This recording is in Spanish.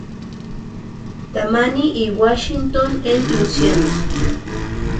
Tammany y Washington en Luisiana.